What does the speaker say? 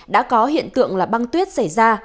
đã có hiện tượng là băng tuyết xảy ra